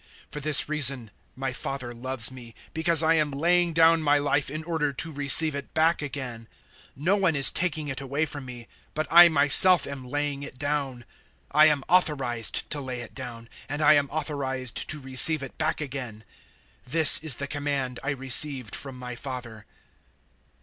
010:017 For this reason my Father loves me, because I am laying down my life in order to receive it back again. 010:018 No one is taking it away from me, but I myself am laying it down. I am authorized to lay it down, and I am authorized to receive it back again. This is the command I received from my Father."